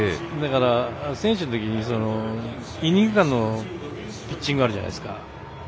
選手のときに、イニング間のピッチングがあるじゃないですか。